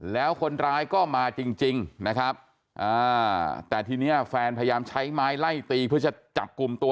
แล้วคนร้ายก็มาจริงนะครับแต่ทีนี้แฟนพยายามใช้ไม้ไล่ตีเพื่อจะจับกลุ่มตัว